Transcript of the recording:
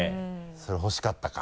それ欲しかったか。